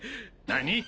何？